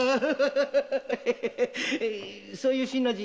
そういう「新の字」